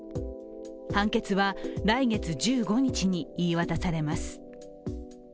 判決は来月１５日に言い渡されます。